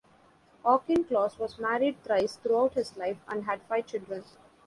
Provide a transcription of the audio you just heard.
Auchincloss was married thrice throughout his life and had five children.